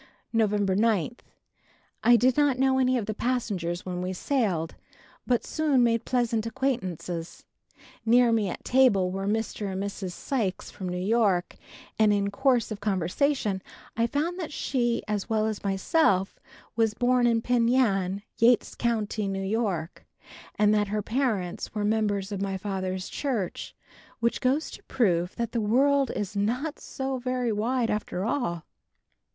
November 9. I did not know any of the passengers when we sailed, but soon made pleasant acquaintances. Near me at table are Mr. and Mrs. Sykes from New York and in course of conversation I found that she as well as myself, was born in Penn Yan, Yates County, New York, and that her parents were members of my Father's church, which goes to prove that the world is not so very wide after all.